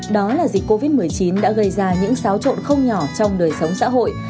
đó là dịch covid một mươi chín đã gây ra những xáo trộn không nhỏ trong đời sống xã hội